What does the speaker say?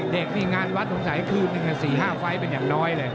เด็กนี่งานวัดสงสัยคืนหนึ่ง๔๕ไฟล์เป็นอย่างน้อยเลย